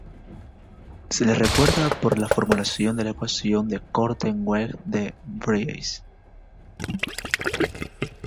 Se le recuerda por la formulación de la Ecuación de Korteweg–de Vries.